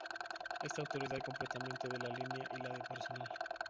Esta autoridad complementa la de línea y la de personal.